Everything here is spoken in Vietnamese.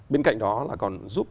bên cạnh đó là còn giúp